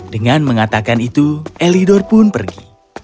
dengan mengatakan itu elidor pun pergi